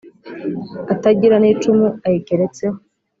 atagira n' icumu ayigeretseho